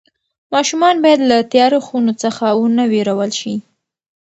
ماشومان باید له تیاره خونو څخه ونه وېرول شي.